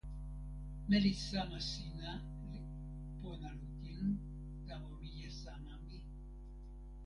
meli sama sina li pona lukin tawa mije sama mi.